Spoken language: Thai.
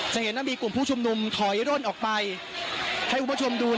จะเห็นว่ามีกลุ่มผู้ชุมนุมถอยร่นออกไปให้คุณผู้ชมดู